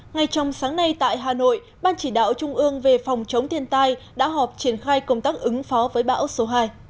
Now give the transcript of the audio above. ngay trong sáng nay tại hà nội ban chỉ đạo trung ương về phòng chống thiên tai đã họp triển khai công tác ứng phó với bão số hai